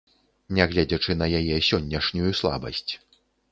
Нягледзячы на яе сённяшнюю слабасць.